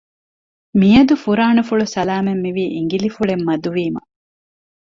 މިއަދު ފުރާނަފުޅު ސަލާމަތް މިވީ އިނގިލިފުޅެއް މަދު ވީމަ